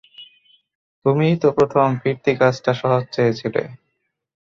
তুমিই তো প্রথম ফিরতি কাজটা সহজ চেয়েছিলে।